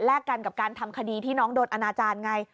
กันกับการทำคดีที่น้องโดนอนาจารย์ไง